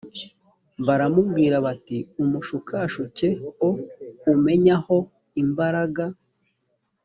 baramubwira bati umushukashuke o umenye aho imbaraga